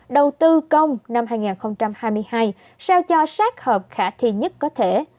đầu tư công năm hai nghìn hai mươi hai sao cho sát hợp khả thi nhất có thể